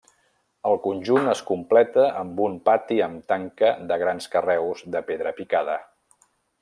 El conjunt es completa amb un pati amb tanca de grans carreus de pedra picada.